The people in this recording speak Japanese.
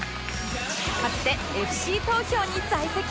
かつて ＦＣ 東京に在籍